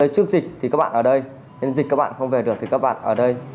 trước dịch thì các bạn ở đây dịch các bạn không về được thì các bạn ở đây